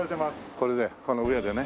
これでこの上でね。